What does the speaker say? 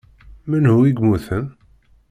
Menhu i yemmuten?